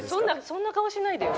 そんな顔しないでよ。